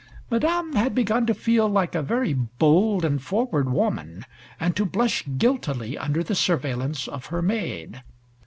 Madame had begun to feel like a very bold and forward woman, and to blush guiltily under the surveillance of her maid.